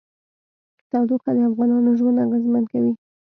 تودوخه د افغانانو ژوند اغېزمن کوي.